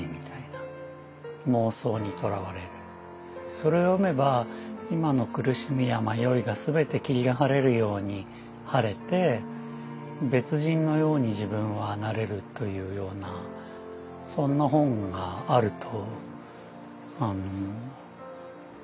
それ読めば今の苦しみや迷いが全て霧が晴れるように晴れて別人のように自分はなれるというようなそんな本があると思ったんですね。